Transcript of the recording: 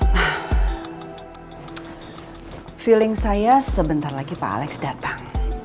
nah feeling saya sebentar lagi pak alex datang